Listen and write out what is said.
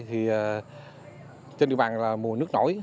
thì trên địa bàn là mùa nước nổi